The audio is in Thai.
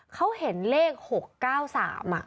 เขาเห็นเลข๖๙๓อ่ะ